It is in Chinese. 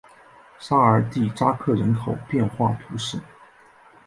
沙尔蒂扎克人口变化图示